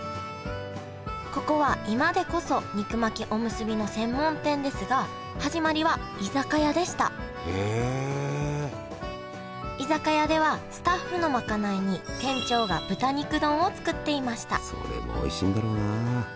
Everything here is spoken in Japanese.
ここは今でこそ肉巻きおむすびの専門店ですが始まりは居酒屋でした居酒屋ではスタッフの賄いに店長が豚肉丼を作っていましたそれもおいしいんだろうな。